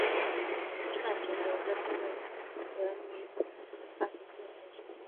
串钱柳这名字得名于它独特的果实。